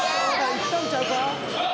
いったんちゃうか？」